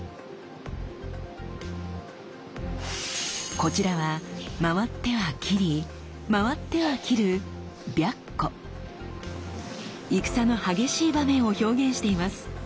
こちらは回っては斬り回っては斬る戦の激しい場面を表現しています。